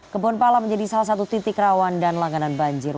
kebonpala menjadi salah satu titik rawan dan langganan banjir